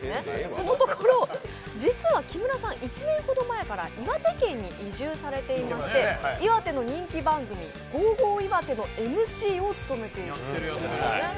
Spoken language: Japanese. そのところ、実は木村さん、１年ほど前から岩手県に移住されていまして岩手の人気番組「Ｇｏ！Ｇｏ！いわて」のＭＣを務めているんですね。